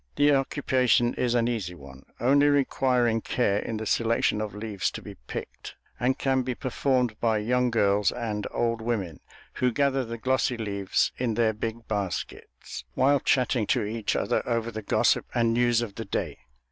The occupation is an easy one, only requiring care in the selection of leaves to be picked, and can be performed by young girls and old women, who gather the glossy leaves in their big baskets, while chatting to each other over the gossip and news of the day.